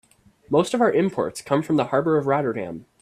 Most of our imports come from the harbor of Rotterdam.